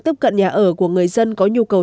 tiếp cận nhà ở của người dân có nhu cầu